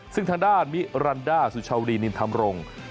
ซึ่งทางด้านมิรันดาสุชาวรีนินธรรมรงค์